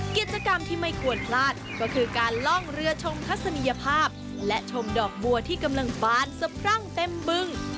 กิจกรรมที่ไม่ควรพลาดก็คือการล่องเรือชมทัศนียภาพและชมดอกบัวที่กำลังบานสะพรั่งเต็มบึง